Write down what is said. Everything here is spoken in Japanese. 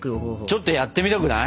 ちょっとやってみたくない？